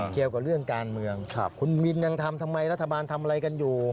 เกี่ยวกับเรื่องการเมืองคุณมินยังทำทำไมรัฐบาลทำอะไรกันอยู่